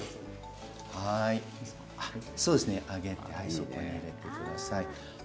そこに入れてください。